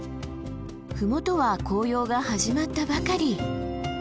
麓は紅葉が始まったばかり。